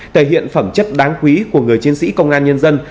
thể hiện phẩm chất đáng quý của người chiến sĩ công an nhân dân